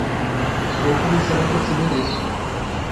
Estou começando a perceber isso.